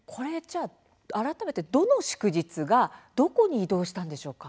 改めて、どの祝日がどこに移動したんでしょうか。